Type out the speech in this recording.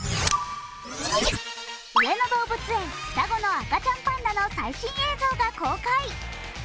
上野動物園双子の赤ちゃんパンダの最新映像が公開。